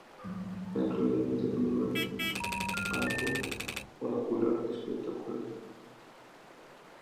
Fue incluida en su segundo álbum "Oracular Spectacular".